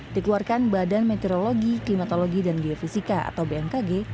dikeluarkan badan meteorologi klimatologi dan geofisika atau bmkg